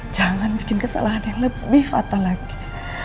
jangan bikin kesalahan yang lebih fatal lagi